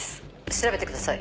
調べてください。